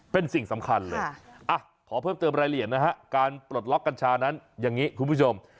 เป็นสิ่งสำคัญเลยขอเพิ่มเติมรายละเอียดนะฮะการปลดล็อกกัญชานั้นอย่างนี้คุณผู้ชม